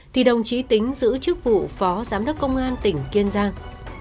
thì đồng chí tính giữ chức vụ phó giám đốc công an tỉnh kiên giang